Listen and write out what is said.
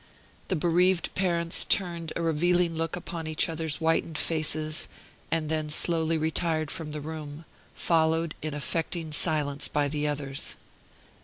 The bereaved parents turned a revealing look upon each other's whitened faces, and then slowly retired from the room, followed in affecting silence by the others.